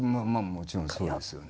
もちろんそうですよね。